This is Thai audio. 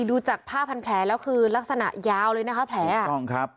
ดูจากผ้าพันแผลแล้วคือลักษณะยาวเลยนะคะแผลถูกต้องครับ